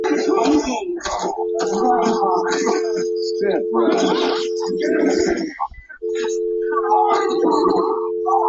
以满足居民的心灵